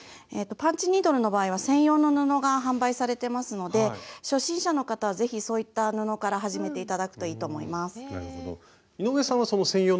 パンチニードルの場合は専用の布が販売されてますので初心者の方は是非そういった布から始めて頂くといいと思います。